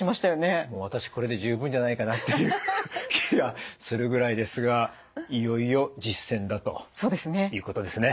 私これで十分じゃないかなっていう気がするぐらいですがいよいよ実践だということですね。